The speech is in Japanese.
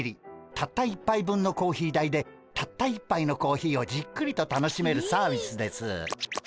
たった１杯分のコーヒー代でたった１杯のコーヒーをじっくりと楽しめるサービスです。